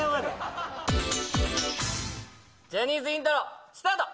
ジャニーズイントロスタート！